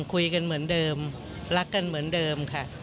คุยกันเหมือนเดิมรักกันเหมือนเดิมค่ะ